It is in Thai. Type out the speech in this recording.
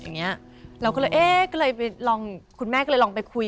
แม่แม่แม่อย่างนี้